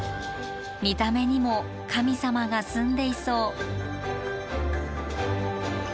見た目にも神様が住んでいそう。